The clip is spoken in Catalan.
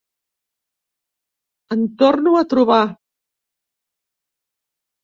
En torno a trobar.